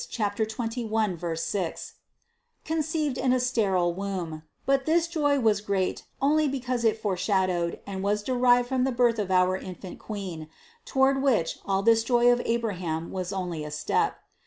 21, 6), conceived in a sterile womb, but this joy was great only because it foreshad owed and was derived from the birth of our infant Queen, toward which all this joy of Abraham was only a step.